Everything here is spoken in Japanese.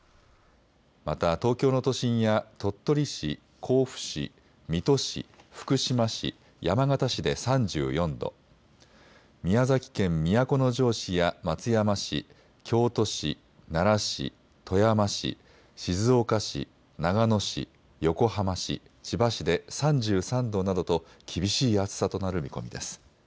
また東京の都心や鳥取市、甲府市、水戸市、福島市、山形市で３４度、宮崎県都城市や松山市、京都市、奈良市、富山市、静岡市、長野市、横浜市、千葉市で３３度などと厳しい暑さとなる見込みです。